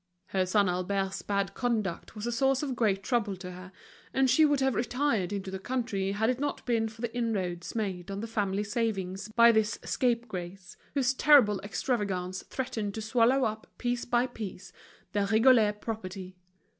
Her son Albert's bad conduct was a source of great trouble to her, and she would have retired into the country had it not been for the inroads made on the family savings by this scapegrace, whose terrible extravagance threatened to swallow up piece by piece their Rigolles property.